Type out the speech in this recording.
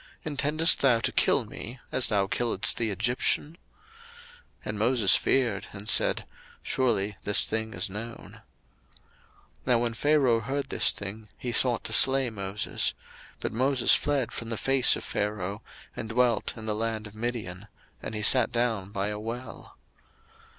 intendest thou to kill me, as thou killedst the Egyptian? And Moses feared, and said, Surely this thing is known. 02:002:015 Now when Pharaoh heard this thing, he sought to slay Moses. But Moses fled from the face of Pharaoh, and dwelt in the land of Midian: and he sat down by a well.